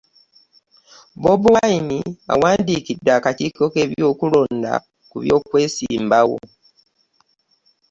Bobi Wine awandiikidde akakiiko k'ebyokulonda ku by'okwesimbawo